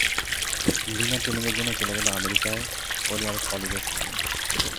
লীনা ট্রেনিংয়ের জন্য চলে গেল আমেরিকায় ওরই আরেক কলিগের সঙ্গে।